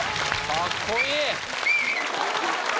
かっこいい！